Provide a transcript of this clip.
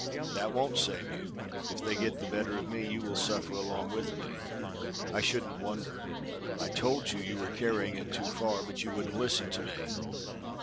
"That won't save you. If they get the better of me you will suffer along with me." "I shouldn't wonder. I told you you were carrying it too far, but you wouldn't listen to me."